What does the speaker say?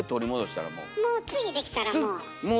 もう次できたらもう。